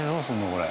これ。